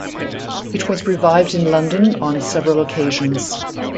It was revived in London on several occasions.